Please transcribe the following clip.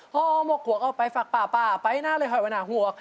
โฮ้มกหวกเอาไปฝักป่าไปหน้าเลยหอยวนาหวก